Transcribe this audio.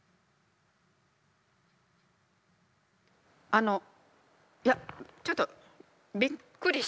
あのいやちょっとびっくりしてて今。